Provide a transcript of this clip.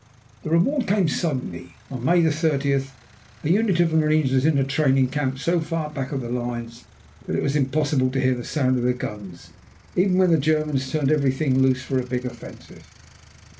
The reward came suddenly. On May 30 a unit of marines was in a training camp so far back of the lines that it was impossible to hear the sound of the guns even when the Germans turned everything loose for a big offensive.